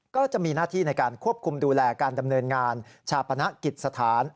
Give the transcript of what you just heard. ก็จะมีหน้าที่ในการควบคุมดูแลการดำเนินงานชาปนกิจสถาน